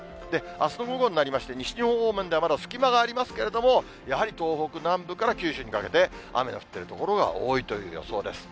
あすの午後になりまして、西日本方面では、まだ隙間がありますけれども、やはり、東北南部から九州にかけて、雨が降っている所が多いという予想です。